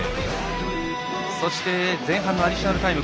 そして、前半のアディショナルタイム。